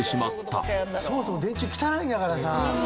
「そもそも電柱汚いんだからさ」